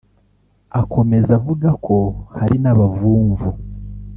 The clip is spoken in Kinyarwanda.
Akomeza avuga ko hari n’abavumvu